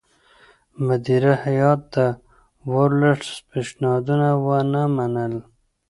مدیره هیات د ورلسټ پېشنهادونه ونه منل.